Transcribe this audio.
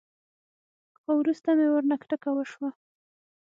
خو وروسته مې ورنه کرکه وسوه.